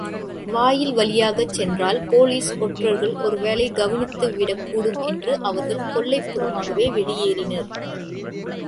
வாயில் வழியாகச் சென்றால் போலிஸ் ஒற்றர்கள் ஒரு வேளை கவனித்து விடக்கூடும் என்று அவர்கள் கொல்லைப் புறமாகவே வெளியேறினர்.